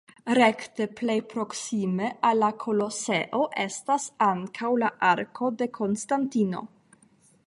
Rekte plej proksime al la Koloseo estas ankaŭ la Arko de Konstantino.